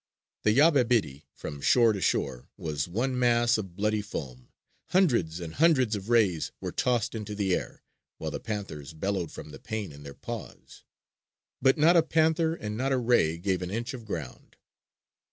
The Yabebirì from shore to shore was one mass of bloody foam. Hundreds and hundreds of rays were tossed into the air, while the panthers bellowed from the pain in their paws. But not a panther and not a ray gave an inch of ground.